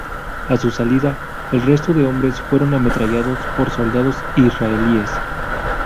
A su salida, el resto de hombres fueron ametrallados por soldados israelíes.